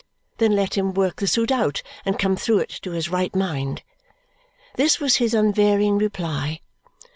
Then let him work the suit out and come through it to his right mind. This was his unvarying reply.